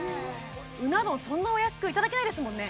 うな丼そんなお安くいただけないですもんね